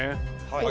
はい。